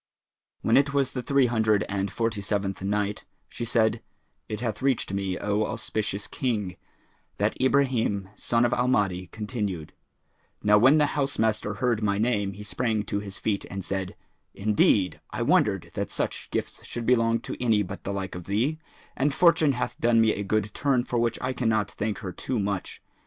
When it was the Three Hundred and Forty seventh Night, She said, It hath reached me, O auspicious King, that Ibrahim son of Al Mahdi continued: "Now when the housemaster heard my name he sprang to his feet and said, 'Indeed I wondered that such gifts should belong to any but the like of thee; and Fortune hath done me a good turn for which I cannot thank her too much.